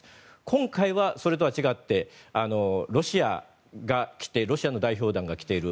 今回は、それとは違ってロシアの代表団が来ている。